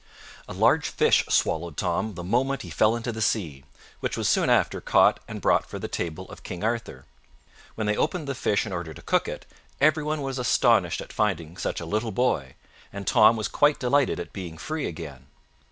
A large fish swallowed Tom the moment he fell into the sea, which was soon after caught and bought for the table of King Arthur. When they opened the fish in order to cook it, every one was astonished at finding such a little boy, and Tom was quite delighted at being free again.